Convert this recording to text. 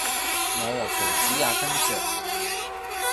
我和桃子也跟著